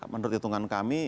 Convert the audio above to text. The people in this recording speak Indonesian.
menurut hitungan kami